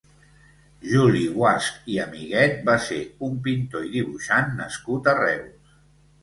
Juli Guasch i Amiguet va ser un pintor i dibuixant nascut a Reus.